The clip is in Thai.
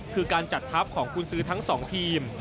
คือการจัดทัพของกุญซื้อทั้ง๒ทีม